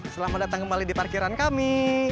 selamat datang kembali di parkiran kami